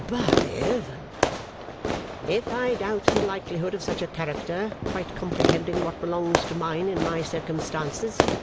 By Heaven!' ' If I doubt the likelihood of such a character quite comprehending what belongs to mine in my circumstances.